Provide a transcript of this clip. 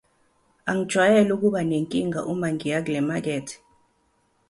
Angijwayele ukuba nenkinga uma ngiya kule makethe.